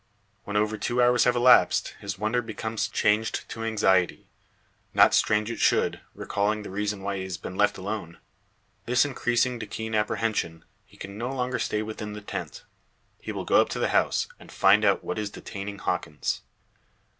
When over two hours have elapsed, his wonder becomes changed to anxiety. Not strange it should, recalling the reason why he has been left alone. This increasing to keen apprehension, he can no longer stay within the tent. He will go up to the house, and find out what is detaining Hawkins.